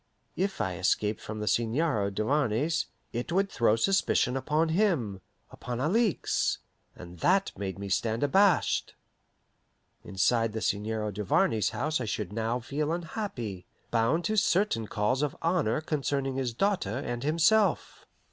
If I escaped from the Seigneur Duvarney's, it would throw suspicion upon him, upon Alixe, and that made me stand abashed. Inside the Seigneur Duvarney's house I should now feel unhappy, bound to certain calls of honour concerning his daughter and himself.